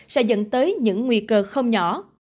sẽ dẫn tới những nguy cơ không nhỏ